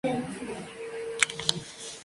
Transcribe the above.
La estrella es una gigante roja.